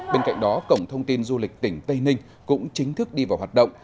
bên cạnh đó cổng thông tin du lịch tỉnh tây ninh cũng chính thức đi vào hoạt động